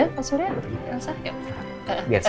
pak surya elsa